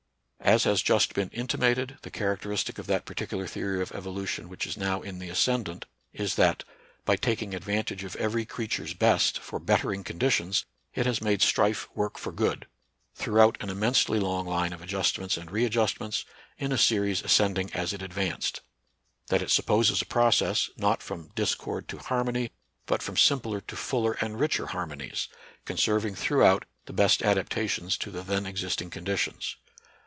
As has just been intimated, the characteristic of that particular theory of evolution which is now in the ascendant is that, by taking advan tage of " every creature's best " for bettering conditions, it has made strife work for good, throughout an immensely long line of adjust ments and readjustments, in a series ascending as it advanced ; that it supposes a process, not from discord to harmony, but from simpler to fuller and richer harmonies, conserving through out the best adaptations to the then existing conditions.